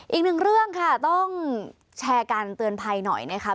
อีกหนึ่งเรื่องค่ะต้องแชร์การเตือนภัยหน่อยนะคะ